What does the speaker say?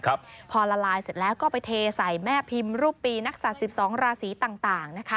ต้มให้ละลายก่อนพอละลายเสร็จแล้วก็ไปเทใส่แม่พิมพ์รูปปีนักศาสตร์๑๒ราศีต่าง